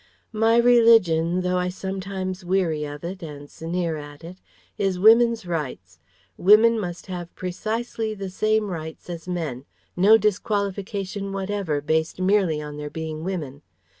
"My religion, though I sometimes weary of it and sneer at it, is Women's Rights: women must have precisely the same rights as men, no disqualification whatever based merely on their being women.